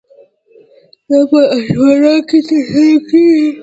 دا په عاشورا کې ترسره کیږي.